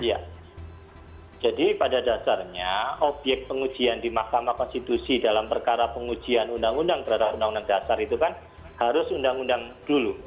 ya jadi pada dasarnya obyek pengujian di mahkamah konstitusi dalam perkara pengujian undang undang terhadap undang undang dasar itu kan harus undang undang dulu